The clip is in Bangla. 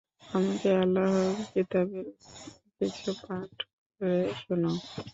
আমাকে আল্লাহর কিতাবের কিছু পাঠ করে শুনাও।